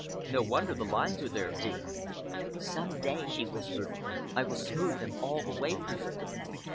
No wonder the lines are there, dear!" "Some day," she whispered, "I will smooth them all away for you!